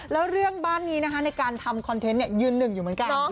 แล้วเรื่องบ้านนี้นะคะในการทำคอนเทนต์ยืนหนึ่งอยู่เหมือนกัน